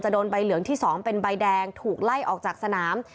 โดนใบเหลืองที่๒เป็นใบแดงถูกไล่ออกจากสนาม